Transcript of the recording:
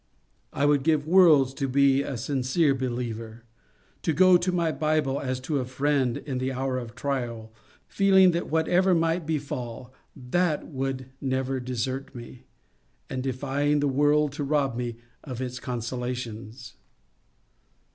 I would give worlds to be a sincere b^. liever ; to go to my Bible as to a friend in the hour of trial, feeling that whatever might befall, that would never desert me, and defying the world to rob me of its consolations.